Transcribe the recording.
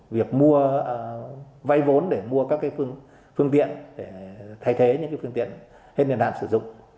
việc mua vay vốn để mua các phương tiện để thay thế những phương tiện hết niên hạn sử dụng